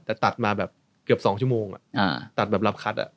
แต่ตัดมาแบบเกือบ๒ชั่วโมงตัดแบบรับคัด